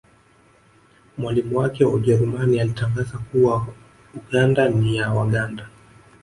Mwalimu wake wa Ujerumani alitangaza kuwa Uganda ni ya Waganda